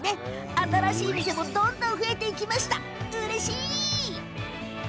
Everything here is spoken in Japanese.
新しいお店もどんどん増えていきました。